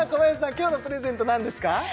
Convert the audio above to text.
今日のプレゼント何ですか？